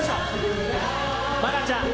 愛菜ちゃん。